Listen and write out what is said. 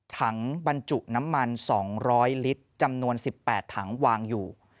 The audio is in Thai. ถังบรรจุน้ำมัน๒๐๐ลิตรจำนวน๑๘ถังวางอยู่